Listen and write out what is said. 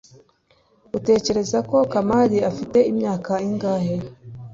utekereza ko kamari afite imyaka ingahe